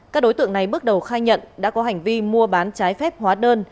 các đối tượng này bước đầu khai nhận đã có hành vi mua bán trái phép hóa đơn